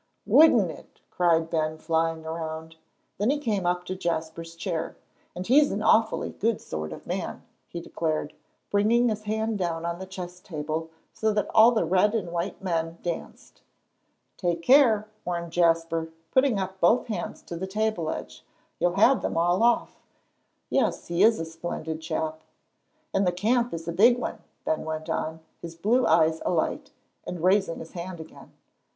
"Wouldn't it!" cried Ben, flying around. Then he came up to Jasper's chair, "And he's an awfully good sort of man," he declared, bringing his hand down on the chess table so that all the red and white men danced. "Take care," warned Jasper, putting up both hands to the table edge, "you'll have them all off. Yes, he is a splendid chap." "And the camp is a big one," Ben went on, his blue eyes alight, and raising his hand again.